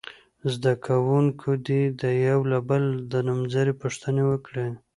زده کوونکي دې یو له بله د نومځرو پوښتنې وکړي.